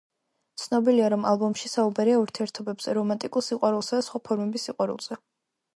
ცნობილია, რომ ალბომში საუბარია ურთიერთობებზე, რომანტიკულ სიყვარულსა და სხვა ფორმების სიყვარულზე.